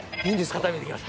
固めていきます。